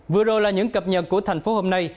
vừa rồi là những cập nhật của thành phố hôm nay